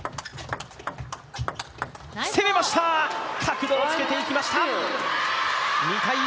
攻めました、角度をつけていきました！